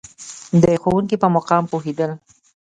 د ښوونکي په مقام پوهېدل.